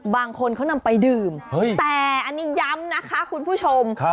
บางคนเขานำไปดื่มแต่อันนี้ย้ำนะคะคุณผู้ชม